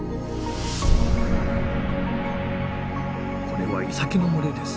これはイサキの群れです。